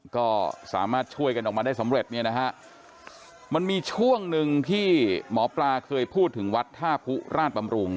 ก็สามารถช่วยกันออกมาได้สำเร็จเนี่ยนะฮะมันมีช่วงหนึ่งที่หมอปลาเคยพูดถึงวัดท่าผู้ราชบำรุง